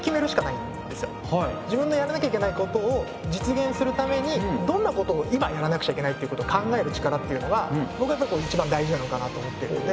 自分のやらなきゃいけないことを実現するためにどんなことを今やらなくちゃいけないっていうことを考えるチカラっていうのがぼくはやっぱこう一番大事なのかなと思ってるんで。